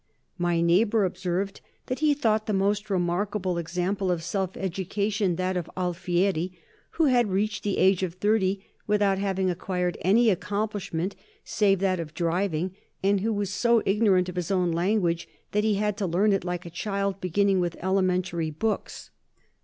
My neighbor observed that he thought the most remarkable example of self education that of Alfieri, who had reached the age of thirty without having acquired any accomplishment save that of driving, and who was so ignorant of his own language that he had to learn it like a child, beginning with elementary books.